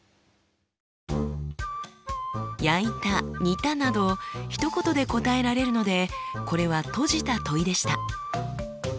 「焼いた」「煮た」などひとことで答えられるのでこれは閉じた問いでした。